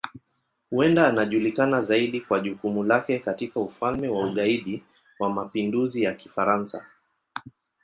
Huenda anajulikana zaidi kwa jukumu lake katika Ufalme wa Ugaidi wa Mapinduzi ya Kifaransa.